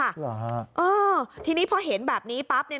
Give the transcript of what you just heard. อ้าวทีนี้พอเห็นแบบนี้ปั๊บ